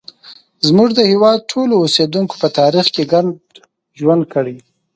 زموږ د هېواد ټولو اوسیدونکو په تاریخ کې ګډ ژوند کړی.